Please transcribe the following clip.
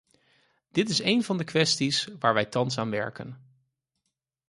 Dit is een van de kwesties waar wij thans aan werken.